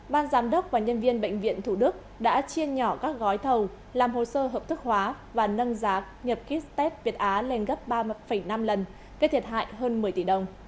ban giám đốc và nhân viên bệnh viện thủ đức đã chiên nhỏ các gói thầu làm hồ sơ hợp thức hóa và nâng giá nhập kit test việt á lên gấp ba năm lần gây thiệt hại hơn một mươi tỷ đồng